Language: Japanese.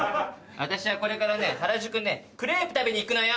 私はこれからね原宿へクレープ食べに行くのよ。